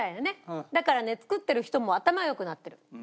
だからね作ってる人も頭良くなってる。